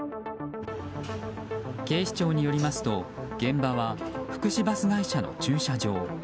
警視庁によりますと現場は福祉バス会社の駐車場。